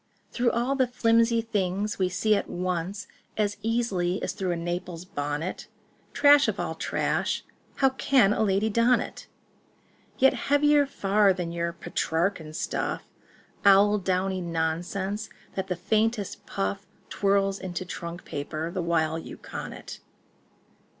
Through all the flimsy things we see at once As easily as through a Naples bonnet— Trash of all trash!—how can a lady don it? Yet heavier far than your Petrarchan stuff— Owl downy nonsense that the faintest puff Twirls into trunk paper the while you con it."